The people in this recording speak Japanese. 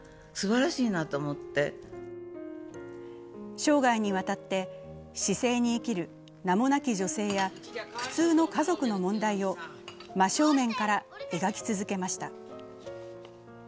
生涯にわたって市井に生きる名もなき女性や普通の家族の問題を真正面から描き続けました。